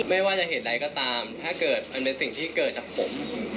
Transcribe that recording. ไม่ว่าจะเหตุใดก็ตามถ้าเกิดมันเป็นสิ่งที่เกิดจากผม